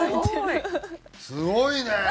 すごいね！